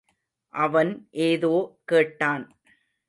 அவன் ஏதோ கேட்டான்.